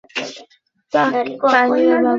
আবার ভূপৃষ্ঠেও পানির অভাব রয়েছে।